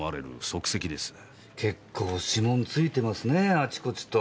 結構指紋ついてますねあちこちと。